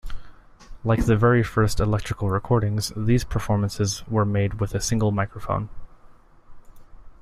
Like the very first electrical recordings, these performances were made with a single microphone.